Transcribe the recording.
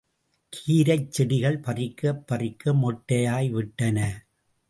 கீரைச் செடிகள் பறிக்கப் பறிக்க மொட்டையாய் விட்டன.